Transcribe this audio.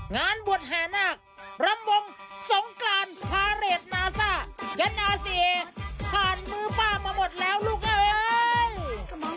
งานบวชแห่นากรำวงสงกรานพาเรทนาซ่ายนาซีเอผ่านมือป้ามาหมดแล้วลูกเอ้ย